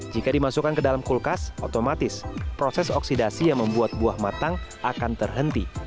jika dimasukkan ke dalam kulkas otomatis proses oksidasi yang membuat buah matang akan terhenti